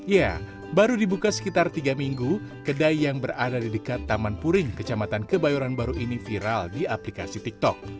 ya baru dibuka sekitar tiga minggu kedai yang berada di dekat taman puring kecamatan kebayoran baru ini viral di aplikasi tiktok